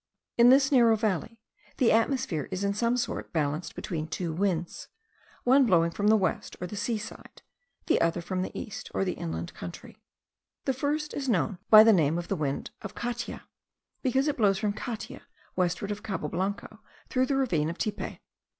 In this narrow valley the atmosphere is in some sort balanced between two winds, one blowing from the west, or the seaside, the other from the east, or the inland country. The first is known by the name of the wind of Catia, because it blows from Catia westward of Cabo Blanco through the ravine of Tipe.